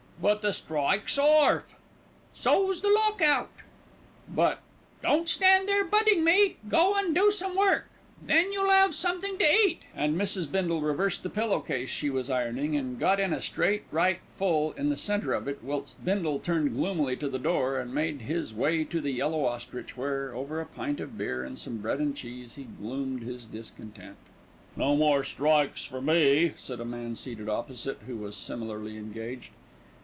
"But the strike's orf." "So's the lock out." "But " "Don't stand there 'butting' me. Go and do some work, then you'll have something to eat," and Mrs. Bindle reversed the pillow case she was ironing, and got in a straight right full in the centre of it, whilst Bindle turned gloomily to the door and made his way to The Yellow Ostrich, where, over a pint of beer and some bread and cheese, he gloomed his discontent. "No more strikes for me," said a man seated opposite, who was similarly engaged.